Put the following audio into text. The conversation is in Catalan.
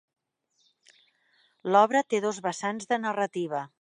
L'obra té dos vessants de narrativa.